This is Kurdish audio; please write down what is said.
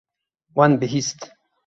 Wan bihîst.